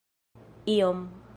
iom